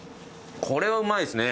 これはうまいですね！